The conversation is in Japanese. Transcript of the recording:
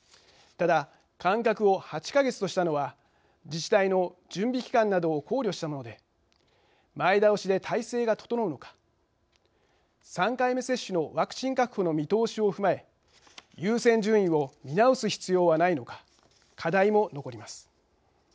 ただ、間隔を８か月としたのは自治体の準備期間などを考慮したもので前倒しで態勢が整うのか３回目接種のワクチン確保の見通しを踏まえ優先順位を見直す必要はないのか課題も残ります。